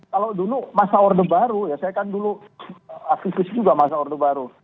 kalau dulu masa orde baru ya saya kan dulu aktivis juga masa orde baru